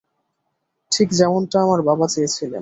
ঠিক যেমনটা আমার বাবা চেয়েছিলেন।